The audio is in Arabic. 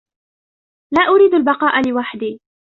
لا أريد البقاء لوحدي.